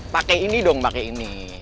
pake ini dong pake ini